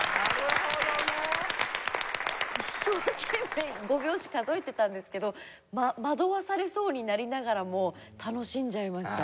一生懸命５拍子数えてたんですけど惑わされそうになりながらも楽しんじゃいました。